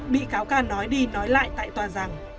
bị cáo ca nói đi nói lại tại tòa rằng